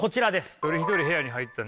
一人一人部屋に入ったね。